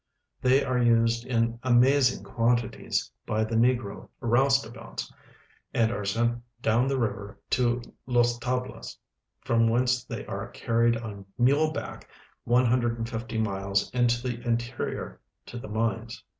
These are u.sed in amazing quantities by the negro roustabouts, and are sent down the river to Los d'aljlas, from whence they are carried on mule hack 150 miles into the interior to the mines.